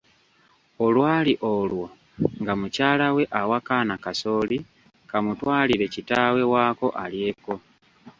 Olwali olwo nga mukyalawe awa kaana kasooli kamutwalire kitaawe waako alyeko.